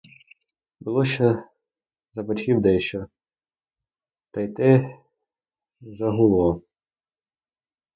Було ще за батьків дещо, та й те загуло.